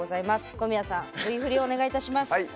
小宮さん、Ｖ振りお願いします。